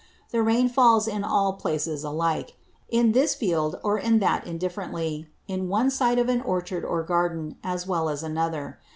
The Rain falls in all Places alike; in this Field and in that indifferently; in one side of an Orchard or Garden, as well as another.